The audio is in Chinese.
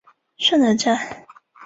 顺德站